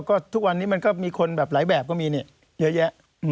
ก็ทุกวันนี้มันก็มีคนแบบหลายแบบก็มีเนี่ยเยอะแยะ